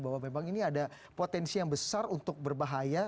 bahwa memang ini ada potensi yang besar untuk berbahaya